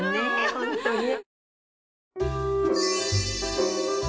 本当にね。